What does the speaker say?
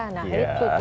nah itu pr nya